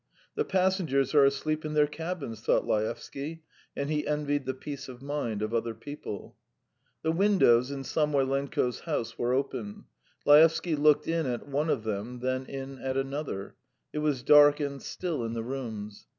"The passengers are asleep in their cabins ..." thought Laevsky, and he envied the peace of mind of other people. The windows in Samoylenko's house were open. Laevsky looked in at one of them, then in at another; it was dark and still in the rooms.